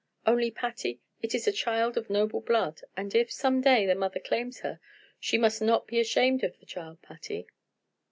"Only, Patty, it is a child of noble blood, and if, some day, the mother claims her, she must not be ashamed of the child, Patty."